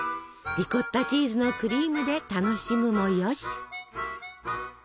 リコッタチーズのクリームで楽しむもよし！